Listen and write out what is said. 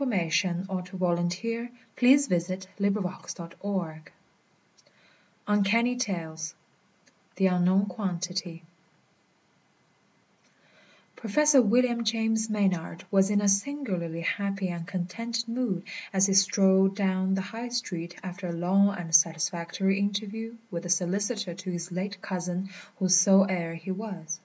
THE TERROR BY NIGHT 97 IX. THE TRAGEDY AT THE "LOUP NOIR" 113 UNCANNY STORIES I THE UNKNOWN QUANTITY Professor William James Maynard was in a singularly happy and contented mood as he strolled down the High Street after a long and satisfactory interview with the solicitor to his late cousin, whose sole heir he was.